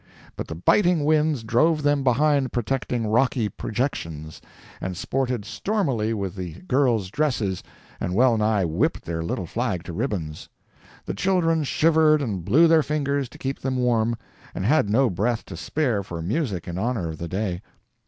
But the biting winds drove them behind protecting rocky projections, and sported stormily with the girls' dresses and well nigh whipped their little flag to ribbons. The children shivered and blew their fingers to keep them warm, and had no breath to spare for music in honor of the day.